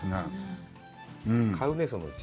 買うね、そのうち。